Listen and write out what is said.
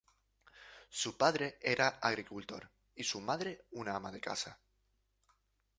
Su padre era agricultor y su madre, un ama de casa.